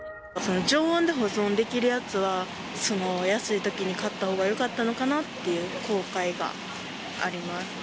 常温で保存できるやつは、安いときに買ったほうがよかったのかなっていう後悔があります。